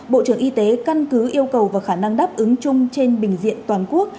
bộ trưởng y tế căn cứ yêu cầu và khả năng đáp ứng chung trên bình diện toàn quốc